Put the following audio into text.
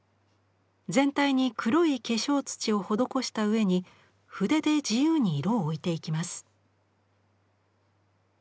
全体に黒い化粧土を施した上に筆で自由に色を置いていきます。